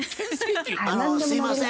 あのすいません。